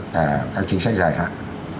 cả các chính sách dài hạn